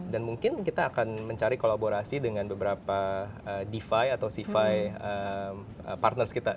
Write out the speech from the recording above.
dan mungkin kita akan mencari kolaborasi dengan beberapa defi atau cefi partner kita